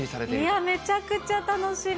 いやー、めちゃくちゃ楽しみ。